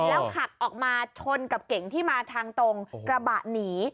หักออกมาชนกับเก่งที่มาทางตรงกระบะหนี